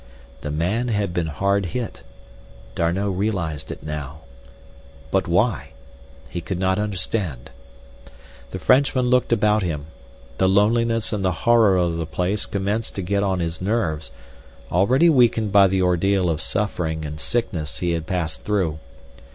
The man had been hard hit—D'Arnot realized it now—but why? He could not understand. The Frenchman looked about him. The loneliness and the horror of the place commenced to get on his nerves—already weakened by the ordeal of suffering and sickness he had passed through.